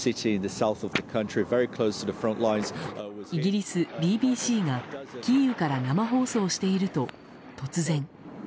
イギリスＢＢＣがキーウから生放送していると、突然。